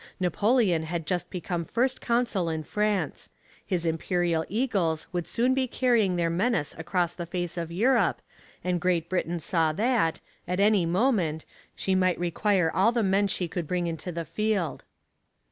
Napoleon had just become first consul in France. His imperial eagles would soon be carrying their menace across the face of Europe, and Great Britain saw that, at any moment, she might require all the men she could bring into the field.